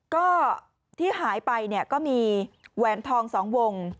ก็ที่หายไปเนี่ยก็มีแหวนทอง๒วง